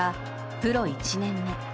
プロ１年目。